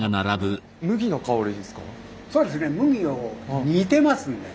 そうですね